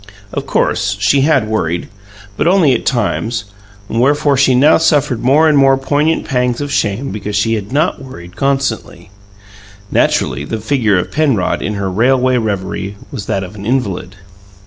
Of course she had worried but only at times; wherefore she now suffered more and more poignant pangs of shame because she had not worried constantly. Naturally, the figure of Penrod, in her railway reverie, was that of an invalid.